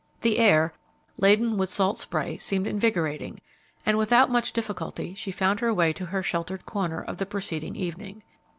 The air, laden with salt spray, seemed invigorating, and without much difficulty she found her way to her sheltered corner of the preceding evening.